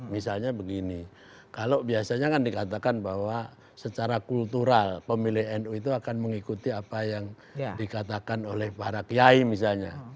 misalnya begini kalau biasanya kan dikatakan bahwa secara kultural pemilih nu itu akan mengikuti apa yang dikatakan oleh para kiai misalnya